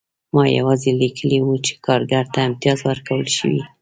ما یوازې لیکلي وو چې کارګر ته امتیاز ورکړل شوی دی